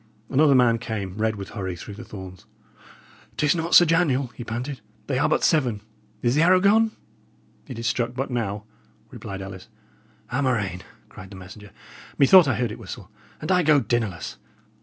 Another man came, red with hurry, through the thorns. "'Tis not Sir Daniel!" he panted. "They are but seven. Is the arrow gone?" "It struck but now," replied Ellis. "A murrain!" cried the messenger. "Methought I heard it whistle. And I go dinnerless!"